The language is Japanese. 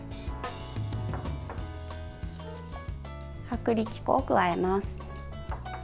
薄力粉を加えます。